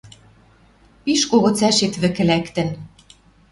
Пиш кого цӓшет вӹкӹ лӓктӹн —